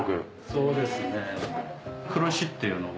そうですね。